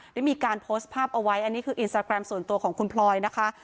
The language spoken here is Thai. ได้มีการโพสต์ภาพเอาไว้อันนี้คืออินสตาแกรมส่วนตัวของคุณพลอยนะคะ